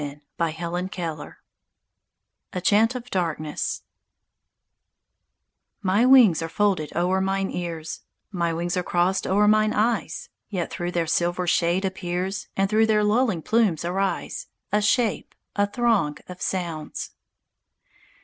A CHANT OF DARKNESS A CHANT OF DARKNESS "_My wings are folded o'er mine ears, My wings are crossèd o'er mine eyes, Yet through their silver shade appears, And through their lulling plumes arise, A Shape, a throng of sounds.